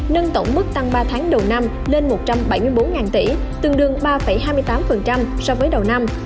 nâng tổng mức tăng ba tháng đầu năm lên một trăm bảy mươi bốn tỷ tương đương ba hai mươi tám so với đầu năm